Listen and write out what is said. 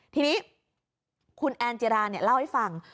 ทีนี้คุณแอนจิราเล่าให้ฟัง